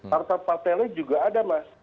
partai partainya juga ada mas